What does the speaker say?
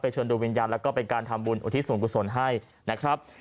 เชิญดูวิญญาณแล้วก็เป็นการทำบุญอุทิศส่วนกุศลให้นะครับ